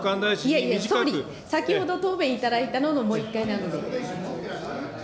いやいや、先ほど答弁いただいたののもう１回なので。